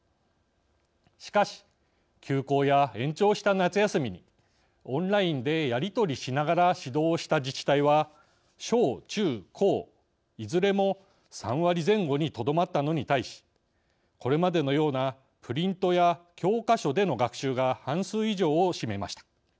しかし休校や延長した夏休みにオンラインでやり取りしながら指導をした自治体は小中高いずれも３割前後にとどまったのに対しこれまでのようなプリントや教科書での学習が半数以上を占めました。